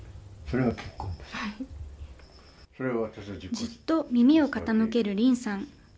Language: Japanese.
じっと耳を傾ける凛さん。